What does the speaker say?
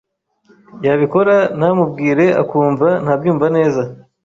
yabikora ntamubwire akumva ntabyumva neza.